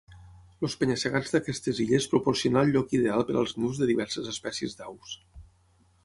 Els penya-segats d'aquestes illes proporcionar el lloc ideal per als nius de diverses espècies d'aus.